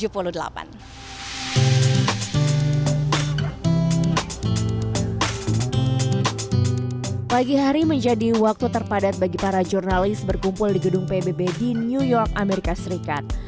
pagi hari menjadi waktu terpadat bagi para jurnalis berkumpul di gedung pbb di new york amerika serikat